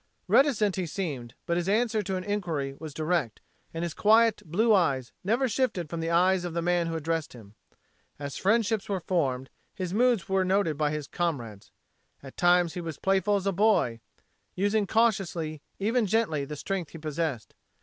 Reticent he seemed, but his answer to an inquiry was direct, and his quiet blue eyes never shifted from the eyes of the man who addressed him. As friendships were formed, his moods were noted by his comrades. At times he was playful as a boy, using cautiously, even gently, the strength he possessed.